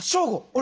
俺。